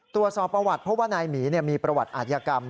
ตรวจสอบประวัติเพราะว่านายหมีมีประวัติอาทยากรรม